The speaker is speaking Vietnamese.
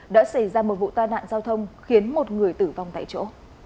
đã xảy ra một vụ tai nạn giao thông khiến một người tử vong tại chỗ